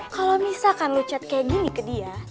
kalau misalkan lu chat kayak gini ke dia